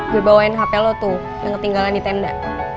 gue bawain hp lo tuh yang ketinggalan di tenda